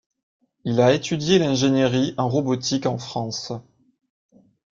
Il a étudié l'ingénierie en robotique en France.